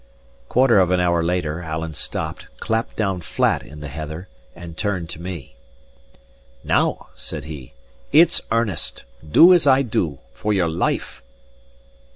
Quarter of an hour later, Alan stopped, clapped down flat in the heather, and turned to me. "Now," said he, "it's earnest. Do as I do, for your life."